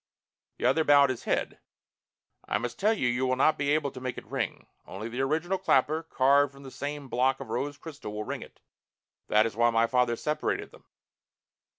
The other bowed his head. "I must tell you," he said, "you will not be able to make it ring. Only the original clapper, carved from the same block of rose crystal, will ring it. That is why my father separated them."